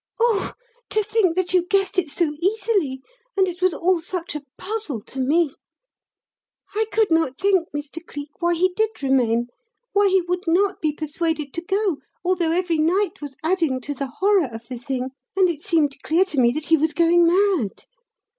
"Oh, to think that you guessed it so easily and it was all such a puzzle to me. I could not think, Mr. Cleek, why he did remain why he would not be persuaded to go, although every night was adding to the horror of the thing and it seemed clear to me that he was going mad.